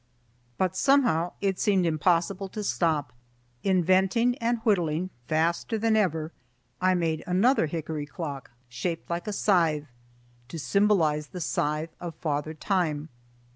But somehow it seemed impossible to stop. Inventing and whittling faster than ever, I made another hickory clock, shaped like a scythe to symbolize the scythe of Father Time.